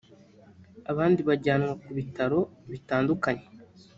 abandi bajyanwa ku bitaro bitandukanye